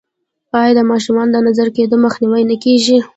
آیا د ماشومانو د نظر کیدو مخنیوی نه کیږي؟